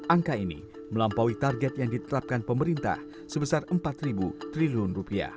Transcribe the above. angka ini melampaui target yang ditetapkan pemerintah sebesar rp empat triliun